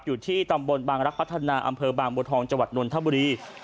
อยู่ที่ตำบลบางรักพัฒนาอำเภอบางบัวทองจังหวัดนนทบุรี